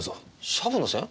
シャブの線？